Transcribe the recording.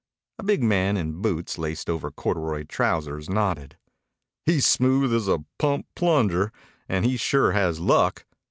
A big man in boots laced over corduroy trousers nodded. "He's smooth as a pump plunger, and he sure has luck.